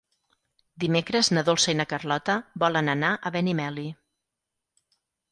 Dimecres na Dolça i na Carlota volen anar a Benimeli.